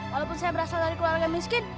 walaupun saya berasal dari keluarga miskin